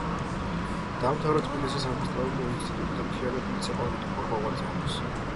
დაამთავრა თბილისის სამასწავლებლო ინსტიტუტი და მთლიანად მიეცა პოლიტიკურ მოღვაწეობას.